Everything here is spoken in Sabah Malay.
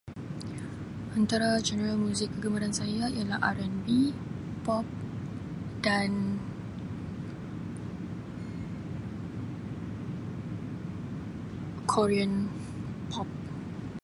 Antara genre music kegemaran saya ialah RNB, Pop dan Korean Pop.